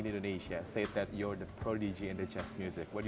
mengatakan bahwa kamu adalah prodigi musik jazz